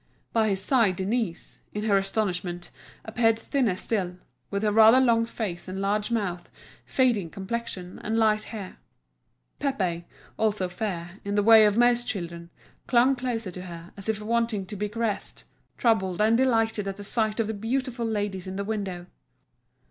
By his side Denise, in her astonishment, appeared thinner still, with her rather long face and large mouth, fading complexion, and light hair. Pépé, also fair, in the way of most children, clung closer to her, as if wanting to be caressed, troubled and delighted at the sight of the beautiful ladies in the window.